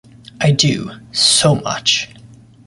I do, so much.